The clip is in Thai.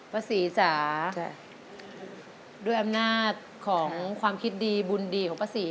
ป้าศรีจ๋าด้วยอำนาจของความคิดดีบุญดีของป้าศรี